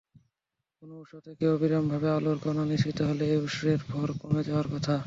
কোনো উৎস থেকে অবিরামভাবে আলোর কণা নিঃসৃত হলে ওই উৎসের ভর কমে যাওয়ার কথা।